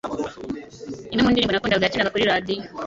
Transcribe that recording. Imwe mu ndirimbo nakundaga yakinaga kuri radiyo.